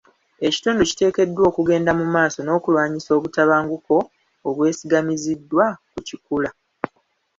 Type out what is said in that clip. Ekitundu kiteekeddwa okugenda mu maaso n'okulwanisa obutabanguko obwesigamiziddwa ku kikula.